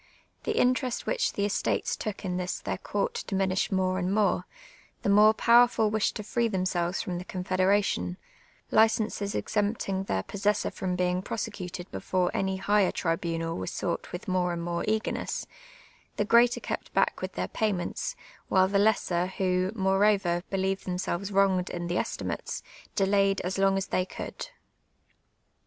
The interest which the estates took in this their coui't diminished more and more ; the more powerful wished to free themselves from the confederation ; licenses exempting their possessor from being prosecuted before any higher tribunal were sought with more and more eagerness ; the greater kept back with their payments, while the lesser, who, moreover, believed themselves ^^Tonged in the estimates, delayed as long as they could.